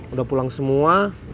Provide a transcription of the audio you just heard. udah pulang semua